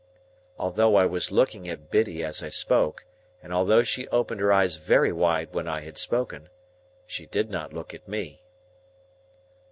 Although I was looking at Biddy as I spoke, and although she opened her eyes very wide when I had spoken, she did not look at me.